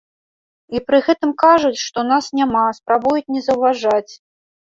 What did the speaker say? І пры гэтым кажуць, што нас няма, спрабуюць не заўважаць.